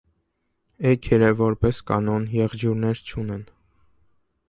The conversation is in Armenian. Էգերը, որպես կանոն, եղջյուրներ չունեն։